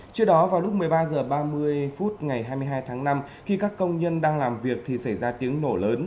trước đó vào lúc một mươi ba h ba mươi phút ngày hai mươi hai tháng năm khi các công nhân đang làm việc thì xảy ra tiếng nổ lớn